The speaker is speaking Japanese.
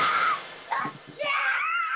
よっしゃ！